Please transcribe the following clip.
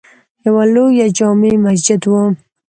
یوه لویه جامع مسجد وه.